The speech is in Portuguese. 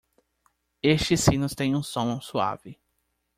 Estes sinos têm um som suave.